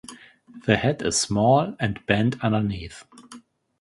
The head is small and bent underneath.